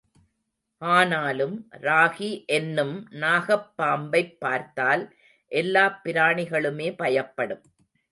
ஆனாலும், ராகி என்னும் நாகப் பாம்பைப் பார்த்தால் எல்லாப் பிராணிகளுமே பயப்படும்.